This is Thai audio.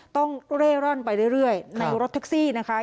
ต้องเร่ร่อนไปเรื่อยในรถแท็กซี่นะคะ